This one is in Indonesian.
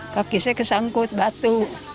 kaki saya kesangkut batu